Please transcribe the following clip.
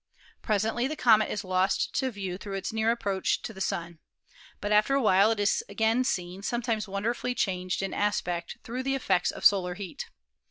Presently the comet is lost to view through its near approach to the Sun. But after a while it is again seen, sometimes wonderfully changed in aspect through the effects of solar heat.